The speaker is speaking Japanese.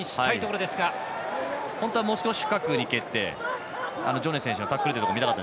本当はもう少し深くに蹴ってジョネ選手のタックルを。